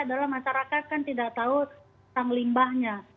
adalah masyarakat kan tidak tahu tentang limbahnya